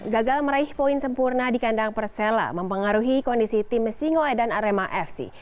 gagal meraih poin sempurna di kandang persela mempengaruhi kondisi tim singoedan arema fc